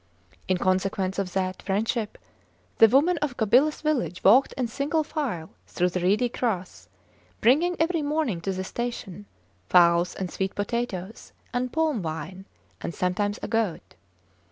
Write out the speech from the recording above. In consequence of that friendship the women of Gobilas village walked in single file through the reedy grass, bringing every morning to the station, fowls, and sweet potatoes, and palm wine, and sometimes a goat.